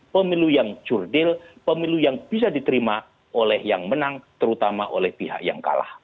pemilu yang jurdil pemilu yang bisa diterima oleh yang menang terutama oleh pihak yang kalah